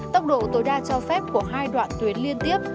tốc độ tối đa cho phép của hai đoạn tuyến liên tiếp